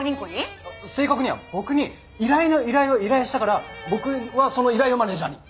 正確には僕に依頼の依頼を依頼したから僕はその依頼をマネージャーに。